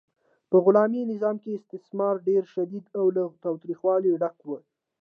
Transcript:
په غلامي نظام کې استثمار ډیر شدید او له تاوتریخوالي ډک و.